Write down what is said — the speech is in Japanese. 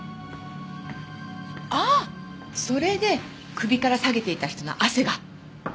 あっそれで首から提げていた人の汗が。